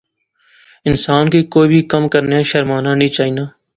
انسان کی کوئی وی کم کرنیا شرمانا نی چاینا